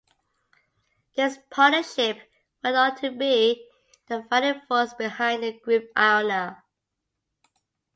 This partnership went on to be the founding force behind the group Iona.